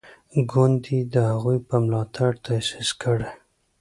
ګوند یې د هغوی په ملاتړ تاسیس کړی.